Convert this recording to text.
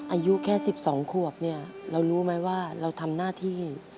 อายุแค่๑๒ขวบเนี่ยเรารู้ไหมว่าเราทำหน้าที่